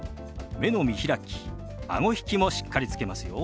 目の見開きあご引きもしっかりつけますよ。